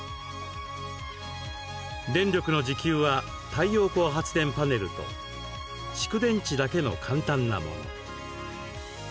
電力の自給は太陽光発電パネルと蓄電池だけの簡単なもの。